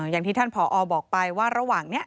อย่างที่ท่านผอบอกไปว่าระหว่างนี้